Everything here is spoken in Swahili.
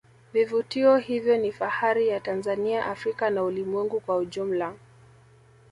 vivutio hivyo ni fahari ya tanzania africa na ulimwengu kwa ujumla